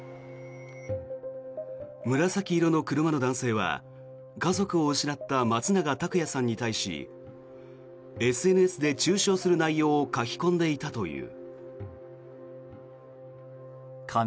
紫色の車の男性は家族を失った松永拓也さんに対しＳＮＳで中傷する内容を書き込んでいたという。